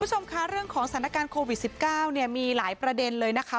คุณผู้ชมคะเรื่องของสถานการณ์โควิด๑๙มีหลายประเด็นเลยนะคะ